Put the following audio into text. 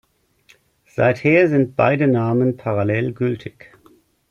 Seither sind beide Namen parallel gültig.